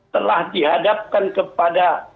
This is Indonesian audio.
telah dihadapkan kepada